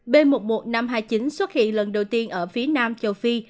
b một một năm trăm hai mươi chín xuất hiện lần đầu tiên ở phía nam châu phi